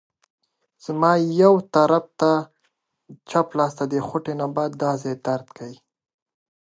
هغه له ولسونو څخه پيسې راټولولې.